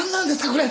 これ。